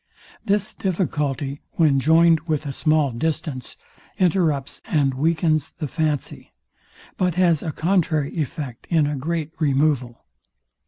This difficulty, when joined with a small distance, interrupts and weakens the fancy: But has a contrary effect in a great removal.